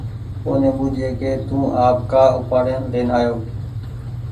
اوني ٻوجهيي ڪي تو آپ ڪآ اُپآڙين لين آيو